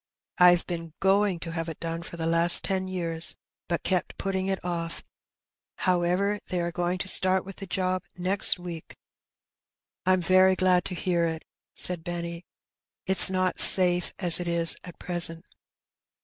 I've been going to have it done for the last ten years, but kept putting it off j however, they are going to start with the job next week." 252 Her Bennt. '' I'm very glad to hear it/' said Benny. " It's not safe as it is at present."